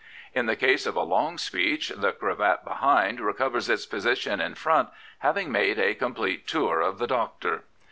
In the case of a long speech the cra^t behind recovers its position in front, having made a complete tour of the Doctor.